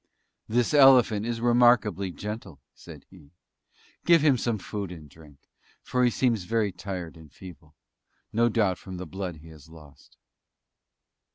"This elephant is remarkably gentle," said he, "Give him some food and drink, for he seems very tired and feeble no doubt from the blood he has lost!"